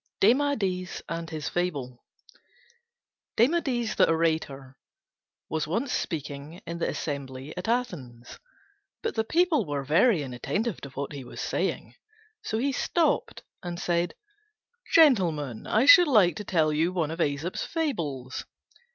DEMADES AND HIS FABLE Demades the orator was once speaking in the Assembly at Athens; but the people were very inattentive to what he was saying, so he stopped and said, "Gentlemen, I should like to tell you one of Æsop's fables."